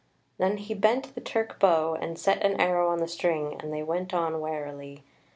Then he bent the Turk bow and set an arrow on the string and they went on warily.